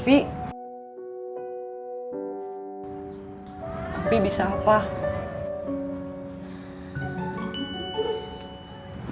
bangkit jodohnya mp